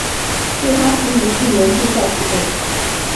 对她处以四年禁赛处分。